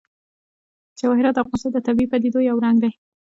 جواهرات د افغانستان د طبیعي پدیدو یو رنګ دی.